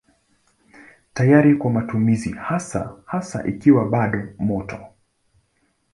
Tayari kwa matumizi hasa hasa ikiwa bado moto.